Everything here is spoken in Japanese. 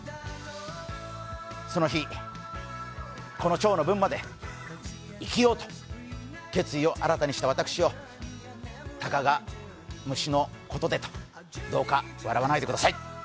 その日、このちょうの分まで生きようと決意を新たにした私をたかが虫のことでと、どうか笑わないでください。